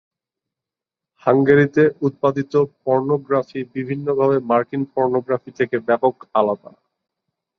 হাঙ্গেরিতে উৎপাদিত পর্নোগ্রাফি বিভিন্নভাবে মার্কিন পর্নোগ্রাফি থেকে ব্যাপক আলাদা।